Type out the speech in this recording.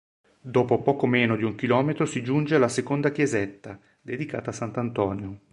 Dopo poco meno di un chilometro si giunge alla seconde chiesetta, dedicata a Sant'Antonio.